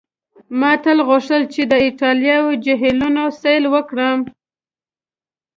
ما تل غوښتل چي د ایټالوي جهیلونو سیل وکړم.